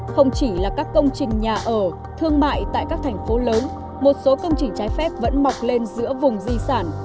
không chỉ là các công trình nhà ở thương mại tại các thành phố lớn một số công trình trái phép vẫn mọc lên giữa vùng di sản